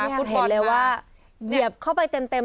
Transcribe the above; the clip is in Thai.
คุณเห็นเลยว่าเหยียบเข้าไปเต็ม